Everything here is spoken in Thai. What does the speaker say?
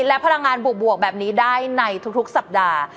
และพลังงานบวกแบบนี้ได้ในทุกสัปดาห์